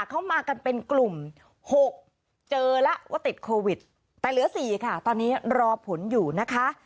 เขามากันเป็นกลุ่ม๖เจอแล้วว่าติดโควิดแต่เหลือ๔ค่ะตอนนี้รอผลอยู่นะคะ